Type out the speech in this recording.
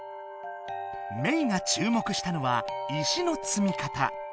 メイがちゅうもくしたのは石のつみかた。